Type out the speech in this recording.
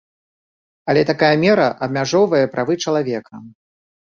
Але такая мера абмяжоўвае правы чалавека.